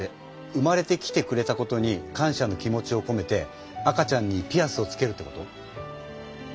生まれてきてくれたことに感謝の気持ちをこめて赤ちゃんにピアスをつけるってこと？